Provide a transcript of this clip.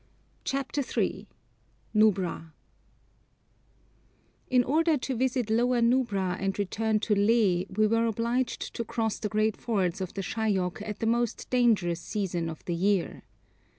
CHAPTER III NUBRA In order to visit Lower Nubra and return to Leh we were obliged to cross the great fords of the Shayok at the most dangerous season of the year.